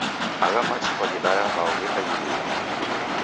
Agha machi kwaghidaya hao gheka ghilue?